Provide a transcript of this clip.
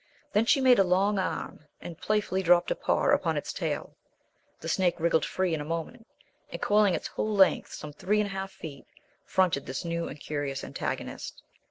Then she made a long arm and playfully dropped a paw upon its tail. The snake wriggled free in a moment, and coiling its whole length, some three and a half feet, fronted this new and curious antagonist.